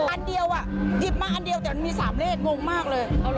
อันเดียวอ่ะหยิบมาอันเดียวแต่มี๓เลขงงมากเลย